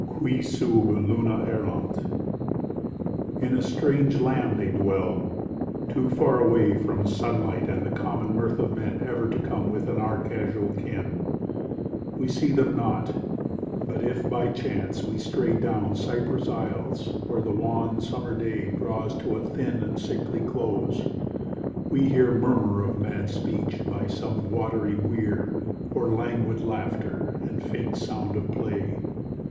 QUI SUB LUNA ERRANT In a strange land they dwell, too far away From sunlight and the common mirth of men Ever to come within our casual ken. We see them not, but if by chance we stray Down cypress aisles when the wan summer day Draws to a thin and sickly close, we hear Murmur of mad speech by some watery weir Or languid laughter and faint sound of play.